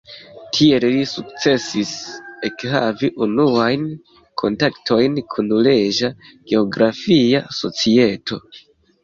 Tiel li sukcesis ekhavi unuajn kontaktojn kun Reĝa Geografia Societo.